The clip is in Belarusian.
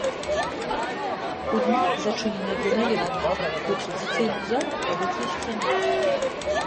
У дні, зачыненыя для наведвальнікаў у экспазіцыйных залах праводзіліся заняткі.